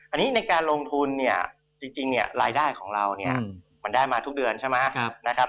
อันนี้ในการลงทุนเนี่ยจริงรายได้ของเรามันได้มาทุกเดือนใช่ไหม